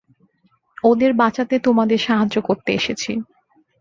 ওদের বাঁচাতে তোমাদের সাহায্য করতে এসেছি।